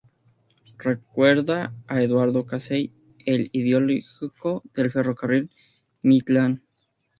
Recuerda a Eduardo Casey, el ideológico del Ferrocarril Midland